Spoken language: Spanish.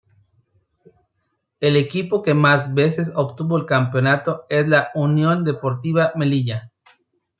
El equipo que más veces obtuvo el campeonato es la Unión Deportiva Melilla.